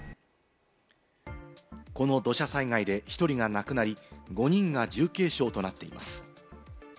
この土砂災害で１人が亡くなり、５人が重軽傷となっています。